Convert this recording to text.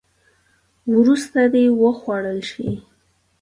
وروسته دې وخوړل شي.